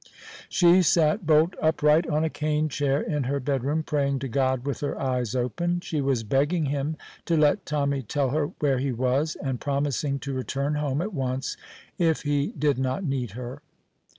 She sat bolt upright on a cane chair in her bedroom, praying to God with her eyes open; she was begging Him to let Tommy tell her where he was, and promising to return home at once if he did not need her.